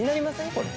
これ。